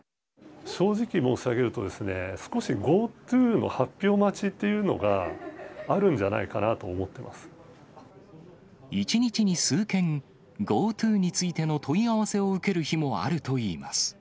正直申し上げると、少しＧｏＴｏの発表待ちっていうのがあるんじゃないかなと思っ１日に数件、ＧｏＴｏについての問い合わせを受ける日もあるといいます。